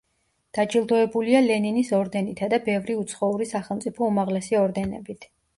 დაჯილდოებულია ლენინის ორდენითა და ბევრი უცხოური სახელმწიფო უმაღლესი ორდენებით.